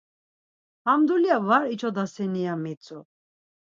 Ham dulya var içodaseni?” ya mitzu.